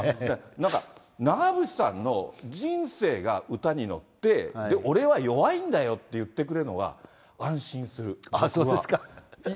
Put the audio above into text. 長渕さんの人生が歌に乗って、俺は弱いんだよって言ってくれるの本当ですか。